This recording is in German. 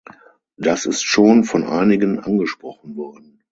Das ist schon von einigen angesprochen worden.